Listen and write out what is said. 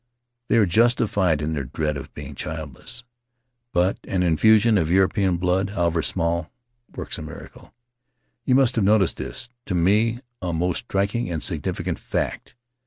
They are justified in their dread of being childless, but an infusion of European blood — however small — works a miracle; you must have noticed this, to me a most striking and significant fact.